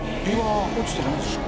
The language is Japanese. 落ちてないでしょ？